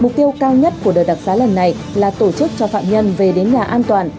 mục tiêu cao nhất của đợt đặc giá lần này là tổ chức cho phạm nhân về đến nhà an toàn